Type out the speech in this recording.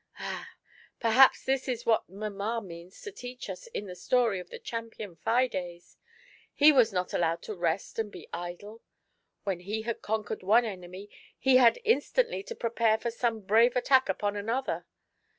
Ah ! perhaps this is what mamma means to teach us in the story of the champion Fides. He was not allowed to rest and be idle : when he had conquered one enemy, he had instantly to prepare for some brave attack upon another.